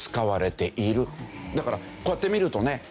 だからこうやって見るとね